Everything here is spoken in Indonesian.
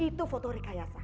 itu foto rekayasa